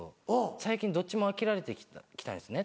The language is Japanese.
最近どっちも飽きられて来たんですね。